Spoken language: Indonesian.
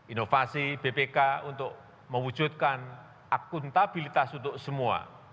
inovasi bpk untuk mewujudkan akuntabilitas untuk semua